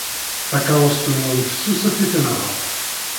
Takeṛṛust-nwen fessuset i tenhaṛt.